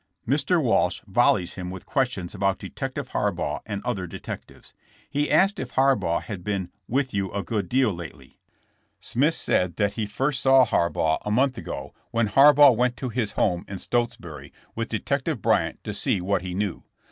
Mr. Walsh volleys him with questions about Detective Harbaugh and other detectives. He asked if Harbaugh had been '' with you a good deal lately. '' Smith said that he first saw Harbaugh a month ago 164 JKSSK JAMES. when Harbaugh went to his home in Stotesbury with Detective Bryant to see what he knew.